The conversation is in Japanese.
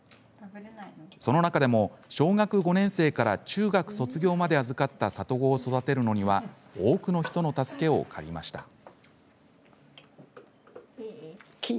その中でも、小学５年生から中学卒業まで預かった里子を育てるのには多くの人の助けを借りました。